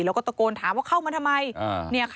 แล้วก็ตะโกนถามว่าเข้ามาทำไม